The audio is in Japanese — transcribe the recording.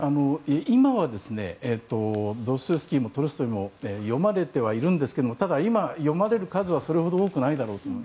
今はドストエフスキーもトルストイも読まれているんですけどただ今、読まれる数はそれほど多くないだろうと。